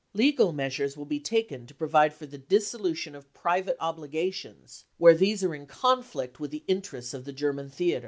Legal measures will be taken to provide for the dis solution of private obligations where these are in con flict with the interests of the German theatre."